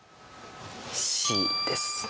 Ｃです